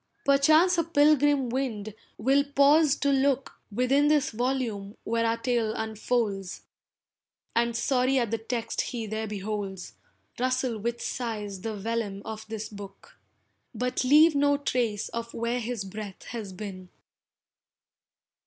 Perchance a pilgrim wind will pause to look Within this volume where our tale unfolds, And sorry at the text he there beholds, Rustle with sighs the vellum of this book, But leave no trace of where his breath has been.